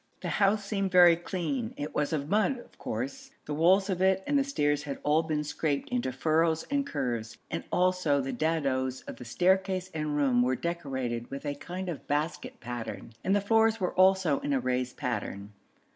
The house seemed very clean it was of mud of course; the walls of it and the stairs had all been scraped into furrows and curves, and also the dados of the staircase and room were decorated with a kind of basket pattern, and the floors were also in a raised pattern.